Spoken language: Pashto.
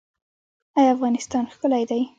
آیا افغانستان ښکلی دی؟